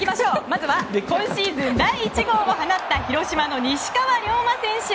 まずは今シーズン第１号を放った広島の西川龍馬選手。